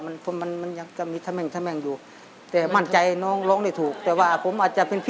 มันมันมันมันมันจะมีทำแม่งทำแม่งอยู่แต่มั่นใจน้องหนาวเนี่ยถูกแต่ว่าผมอาจจะเป็น